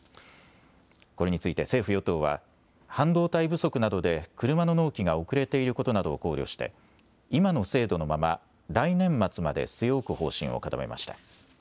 これについて政府与党は半導体不足などで車の納期が遅れていることなどを考慮して今の制度のまま、来年末まで据え置く方針を固めました。